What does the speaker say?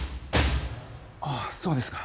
ああそうですか。